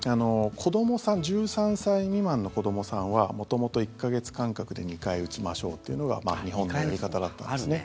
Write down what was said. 子どもさん１３歳未満の子どもさんは元々、１か月間隔で２回打ちましょうというのが日本のやり方だったんですね。